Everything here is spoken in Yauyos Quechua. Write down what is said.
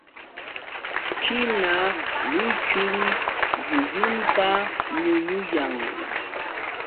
China luychun llullunta ñuñuyan.